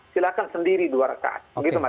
silakan sendiri di luar rekan